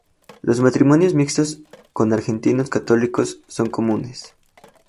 Los matrimonios mixtos con argentinos católicos son comunes.